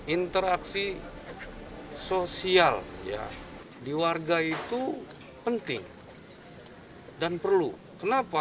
interaksi sosial di warga itu penting dan perlu kenapa